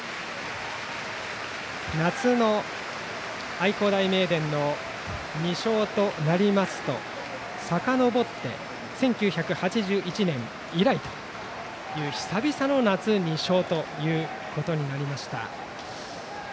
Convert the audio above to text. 夏の愛工大名電の２勝となりますとさかのぼって１９８１年以来という久々の夏２勝ということになりました。